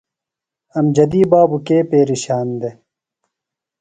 امجدی بابوۡ کے پیرشان دےۡ؟